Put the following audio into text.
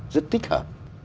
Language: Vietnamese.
rất thích hợp